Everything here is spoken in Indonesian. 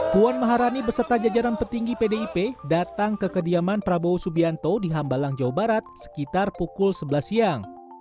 puan maharani beserta jajaran petinggi pdip datang ke kediaman prabowo subianto di hambalang jawa barat sekitar pukul sebelas siang